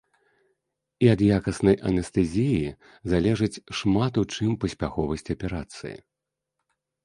І ад якаснай анестэзіі залежыць шмат у чым паспяховасць аперацыі.